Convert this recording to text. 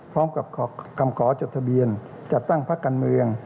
พร้อมกับคำขอจดทะเบียนจัดตั้งพักการเมือง